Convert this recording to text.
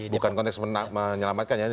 bukan konteks menyelamatkan ya